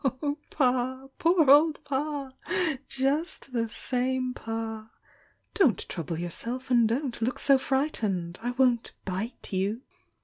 "Oh, Pa! Poor old Pa! Just the same Pa! Don't trouble yourself and don't look so frightened! I won't 'bite' you!